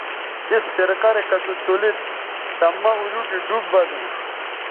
اس طریقہ رے کہ تُوڅولید تہ مہ اولوٹی ڈوب بزونݜ